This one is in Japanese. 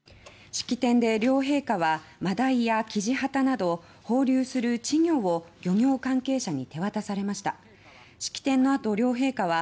式典で両陛下はマダイやキジハタなど稚魚を放流する事業を漁業関係者に手渡されました。